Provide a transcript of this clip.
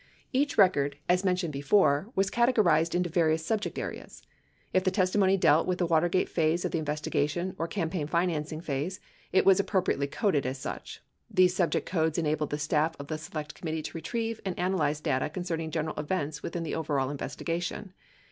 Each record, as mentioned before, was categorized into various sub ject areas. If the testimony dealt with the Watergate phase of the in vestigation or campaign financing phase, it w T as appropriately coded as such. These subject codes enabled the staff of the Select Committee to retrieve and analyze data concerning general events within the overall investigation.